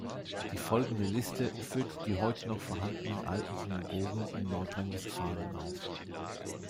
Die folgende Liste führt die heute noch vorhandenen alten Synagogen in Nordrhein-Westfalen auf.